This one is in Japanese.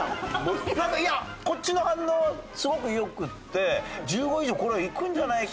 なんかいやこっちの反応はすごくよくって１５以上これいくんじゃないか。